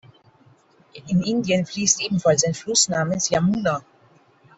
In Indien fließt ebenfalls ein Fluss namens Yamuna.